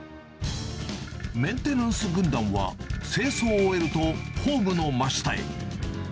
メンテナンス軍団は、清掃を終えるとホームの真下へ。